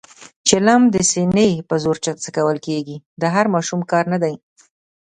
چلم د سینې په زور څکول کېږي، د هر ماشوم کار نه دی.